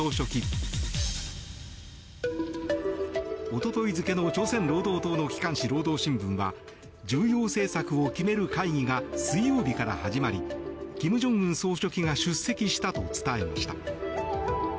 一昨日付の朝鮮労働党の機関紙労働新聞は重要政策を決める会議が水曜日から始まり金正恩総書記が出席したと伝えました。